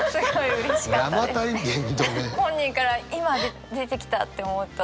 本人から今出てきたって思うと。